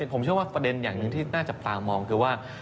ผมเชื่อว่าประเด็นอย่างหนึ่งที่น่าจับตามองคือว่า